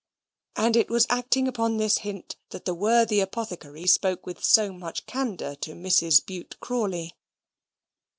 And it was acting upon this hint that the worthy apothecary spoke with so much candour to Mrs. Bute Crawley.